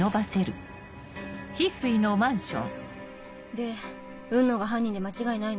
で雲野が犯人で間違いないの？